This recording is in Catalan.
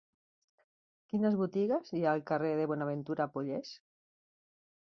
Quines botigues hi ha al carrer de Bonaventura Pollés?